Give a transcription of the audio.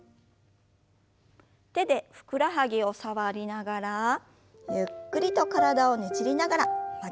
手でふくらはぎを触りながらゆっくりと体をねじりながら曲げましょう。